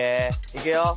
いくよ。